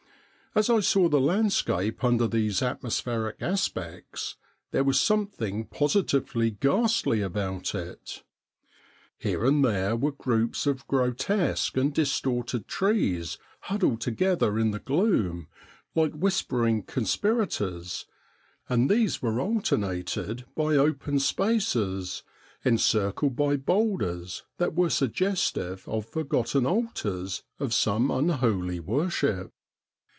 As I saw the landscape under these atmospheric aspects, there was something positively ghastly about it. Here and there were groups of grotesque and distorted trees huddled together in the gloom, like whispering conspirators, and these were alternated by open spaces encircled by boulders that were suggestive of forgotten altars of some unholy worship.